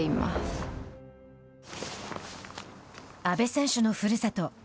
阿部選手のふるさと